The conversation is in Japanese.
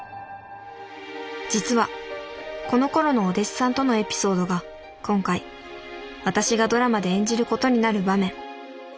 実はこのころのお弟子さんとのエピソードが今回私がドラマで演じることになる場面。